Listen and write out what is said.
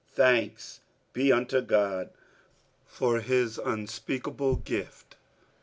47:009:015 Thanks be unto God for his unspeakable gift.